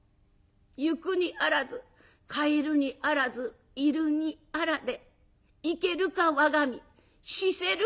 「ゆくにあらず帰るにあらず居るにあらで生けるか我が身死せるかこの身」。